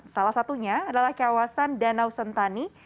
salah satunya adalah kawasan danau sentani